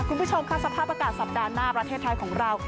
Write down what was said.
คุณผู้ชมค่ะสภาพอากาศสัปดาห์หน้าประเทศไทยของเรา